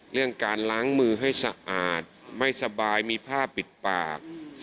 เรื่องการล้างมือให้สะอาดไม่สบายมีผ้าปิดปาก